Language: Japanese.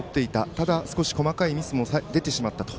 ただ少し細かいミスも出てしまった。